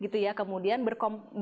terus membuat komponen